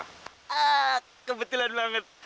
ah kebetulan banget